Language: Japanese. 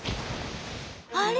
あれ？